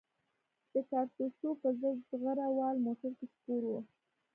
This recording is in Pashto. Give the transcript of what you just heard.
د کارتوسو په ضد زغره وال موټر کې سپور وو.